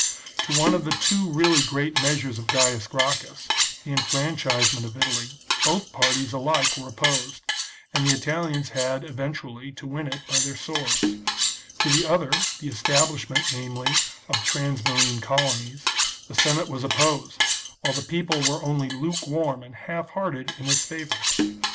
To one of the two really great measures of Gaius Gracchus, the enfranchisement of Italy, both parties, alike, were opposed, and the Italians had eventually to win it by their swords ; to the other, the establish ment, namely, of transmarine colonies, the Senate was opposed, while the people were only lukewarm and half hearted in its favour.